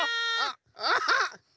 アハッ！